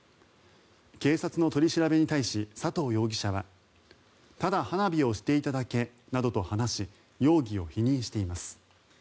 警察の取り調べに対し佐藤容疑者はただ花火をしていただけなどと話し容疑を否認しています。